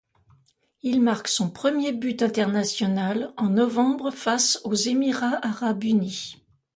Il marque son premier but international en novembre face aux Émirats arabes unis.